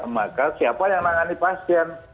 maka siapa yang menangani pasien